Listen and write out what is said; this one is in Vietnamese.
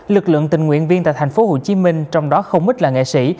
lực lượng tình nguyện viên tại thành phố hồ chí minh trong đó không ít là nghệ sĩ